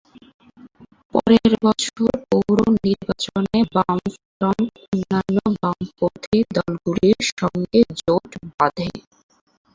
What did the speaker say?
পরের বছর পৌর নির্বাচনে বামফ্রন্ট অন্যান্য বামপন্থী দলগুলির সঙ্গে জোট বাঁধে।